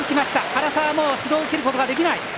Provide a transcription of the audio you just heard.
原沢、もう指導を受けることはできない。